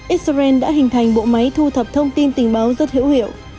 israel đã hình thành bộ máy thu thập thông tin tình báo rất hữu hiệu